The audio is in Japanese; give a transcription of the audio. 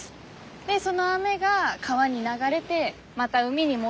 でその雨が川に流れてまた海に戻っていきます。